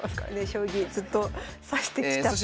将棋ずっと指してきたという。